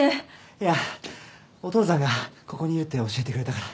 いやお父さんがここにいるって教えてくれたから。